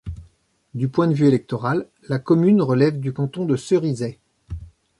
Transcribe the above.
Du point de vue électoral, la commune relève du canton de Cerizay.